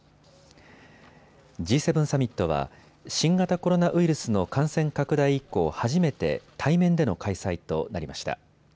Ｇ７サミットは新型コロナウイルスの感染拡大以降、初めて対面での開催となりました。